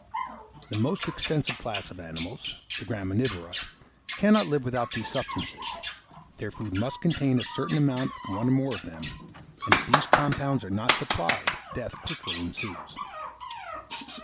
The most extensive class of animals, the graminivora, cannot live without these substances; their food must contain a certain amount of one or more of them, and if these compounds are not supplied, death quickly ensues.